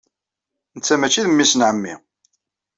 Netta maci d memmi-s n ɛemmi.